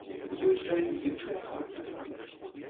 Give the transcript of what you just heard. Ёсць жа і іншыя фактары.